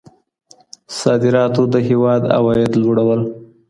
صادراتو د هیواد عواید لوړول.